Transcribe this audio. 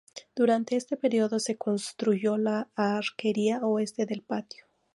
Durante este período se construyó la arquería oeste del patio.